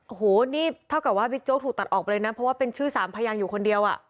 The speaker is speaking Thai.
โอ้โหนี่เท่ากับว่าบิ๊กโจ๊กถูกตัดออกไปเลยนะเพราะว่าเป็นชื่อสามพยางอยู่คนเดียวอ่ะ